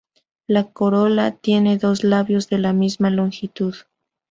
La corola tiene dos labios de la misma longitud.